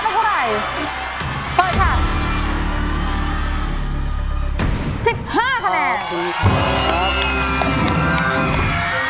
ไม่เท่าไร